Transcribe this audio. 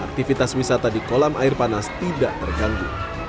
aktivitas wisata di kolam air panas tidak terganggu